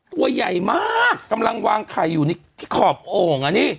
ตัวใหญ่มากกำลังวางไข่อยู่ที่ขอบโอ่งอ่ะนี่